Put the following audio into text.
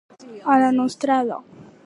A la nostrada.